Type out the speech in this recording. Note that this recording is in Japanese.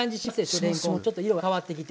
れんこんがちょっと色が変わってきて。